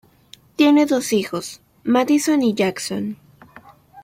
Tiene dos hijos, Madison y Jackson.